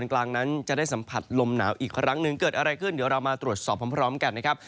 กลางนั้นจะได้สัมผัสลมหนาวอีกครั้งหนึ่งเกิดอะไรขึ้นเดี๋ยวเรามาตรวจสอบพร้อมกันนะครับ